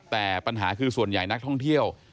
แต่ปัญหาคือส่วนใหญ่นักท่องเที่ยว